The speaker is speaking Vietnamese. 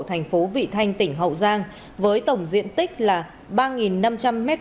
thành phố vị thanh tỉnh hậu giang với tổng diện tích là ba năm trăm linh m hai